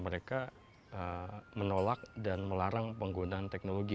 mereka menolak dan melarang penggunaan teknologi